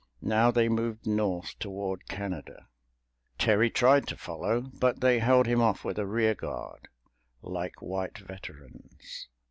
Now they moved North toward Canada. Terry tried to follow, but they held him off with a rear guard, like white veterans.